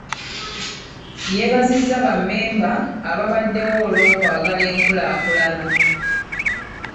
Yeebazizza bammemba abaabaddewo olw'okwagala enkulaakulana.